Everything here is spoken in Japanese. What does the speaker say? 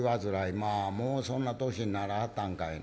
まあもうそんな年にならはったんかいな。